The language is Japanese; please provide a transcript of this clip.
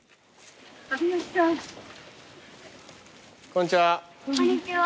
こんにちは。